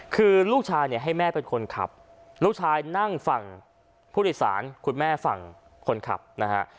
คือลูกชายเนี่ยให้แม่เป็นคนขับลูกชายนั่งฝั่งผู้โดยสารคุณแม่ฝั่งคนขับนะฮะ